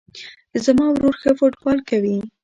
زما ورور ښه فوټبال کوی